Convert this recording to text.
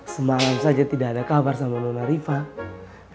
semalam saja tidak ada kabar sama nona rifai